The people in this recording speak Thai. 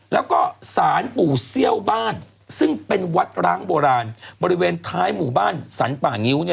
แล้วก็สารปู่เซี่ยวบ้านซึ่งเป็นวัดร้างโบราณบริเวณท้ายหมู่บ้านสรรป่างิ้ว